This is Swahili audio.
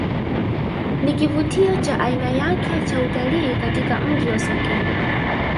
Ni kivutio cha aina yake cha utalii katika Mji wa Songea